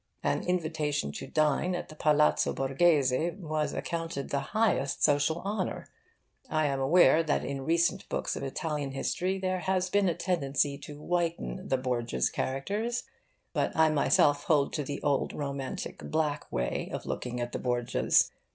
An invitation to dine at the Palazzo Borghese was accounted the highest social honour. I am aware that in recent books of Italian history there has been a tendency to whiten the Borgias' characters. But I myself hold to the old romantic black way of looking at the Borgias.